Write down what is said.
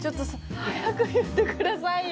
早く言ってくださいよ！